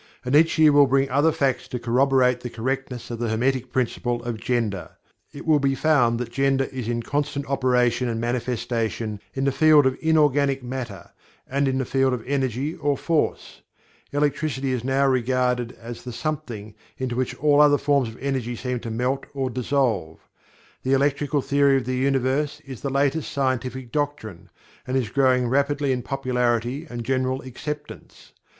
And each year will bring other facts to corroborate the correctness of the Hermetic Principle of Gender. It will be found that Gender is in constant operation and manifestation in the field of inorganic matter, and in the field of Energy or Force. Electricity is now generally regarded as the "Something" into which all other forms of energy seem to melt or dissolve. The "Electrical Theory of the Universe" is the latest scientific doctrine, and is growing rapidly in popularity and general acceptance.